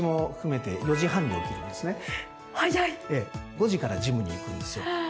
５時からジムに行くんですよ。